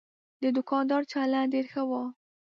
د دوکاندار چلند ډېر ښه و.